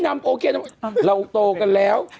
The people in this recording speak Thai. นำโอเคเราร่วมโตกันแล้ว